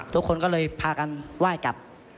ทุกคนก็เลยพากันไหว้กลับ